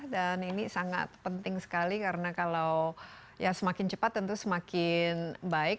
dan ini sangat penting sekali karena kalau ya semakin cepat tentu semakin baik